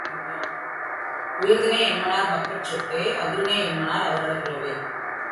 உயர்திணை என்மனார் மக்கட் சுட்டே அஃறிணை என்மனார் அவரல பிறவே